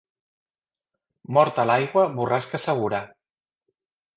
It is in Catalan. Mort a l'aigua, borrasca segura.